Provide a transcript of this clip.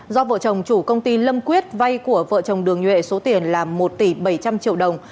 do vợ chồng chủ công ty lâm quyết vay của vợ chồng đường nhuệ số tiền là một tỷ bảy trăm linh triệu đồng